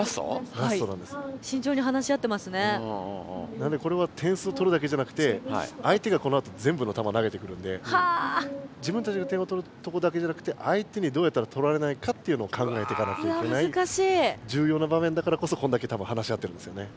なのでこれは点数を取るだけじゃなくて相手がこのあと全部の球投げてくるんで自分たちの点を取るとこだけじゃなくて相手にどうやったら取られないかっていうのを考えていかなきゃいけないじゅうような場面だからこそこんだけたぶん話し合ってるんですよね。